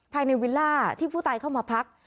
วิลล่าที่ผู้ตายเข้ามาพัก